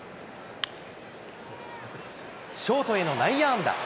ショートへの内野安打。